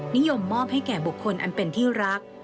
นิยมมอบให้แก่บุคคลอันเป็นที่รัก